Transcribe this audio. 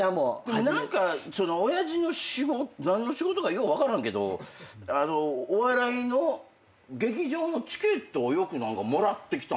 親父の何の仕事かよう分からんけどお笑いの劇場のチケットをよくもらってきたのよね。